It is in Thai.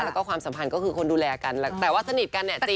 แล้วก็ความสัมพันธ์ก็คือคนดูแลกันแต่ว่าสนิทกันเนี่ย